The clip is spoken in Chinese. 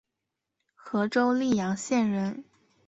和州历阳县人。